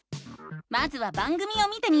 まずは番組を見てみよう！